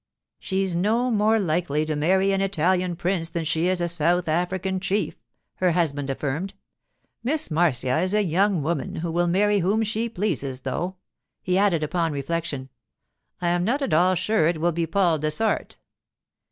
'She's no more likely to marry an Italian prince than she is a South African chief,' her husband affirmed. 'Miss Marcia is a young woman who will marry whom she pleases—though,' he added upon reflection, 'I am not at all sure it will be Paul Dessart.